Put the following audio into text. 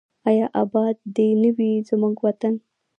آیا اباد دې نه وي زموږ وطن؟